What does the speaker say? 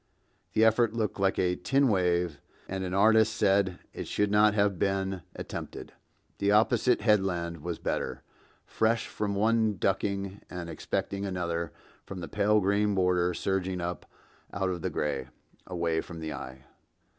(The effort looked like a tin wave, and an artist said it should not have been attempted. The opposite headland was better, fresh from one ducking and expecting another from the pale green border surging up out of the gray, away from the eye.)